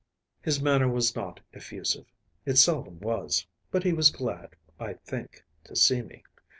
His manner was not effusive. It seldom was; but he was glad, I think, to see me.